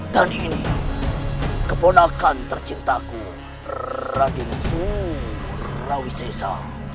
dan ini keponakan tercintaku raden surawisesa